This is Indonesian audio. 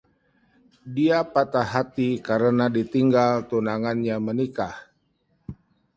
Dia patah hati karena ditinggal tunangannya menikah.